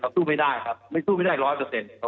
สู้ไม่ได้ครับ๑๐๐